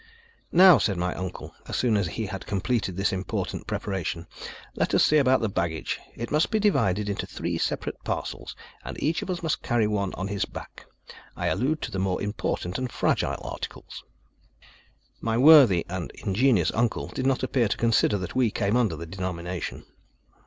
"Now," said my uncle, as soon as he had completed this important preparation, "let us see about the baggage. It must be divided into three separate parcels, and each of us must carry one on his back. I allude to the more important and fragile articles." My worthy and ingenious uncle did not appear to consider that we came under the denomination.